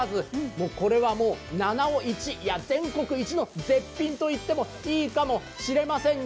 もうこれは七尾一、全国一の絶品と言ってもいいかもしれませんね。